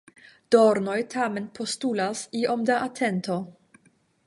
Dornoj tamen postulas iom da atento.